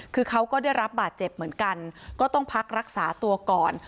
คือเขาก็ได้รับบาดเจ็บเหมือนกันก็ต้องพักรักษาตัวก่อน